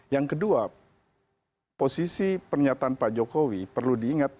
yang kedua posisi pernyataan pak jokowi perlu diingat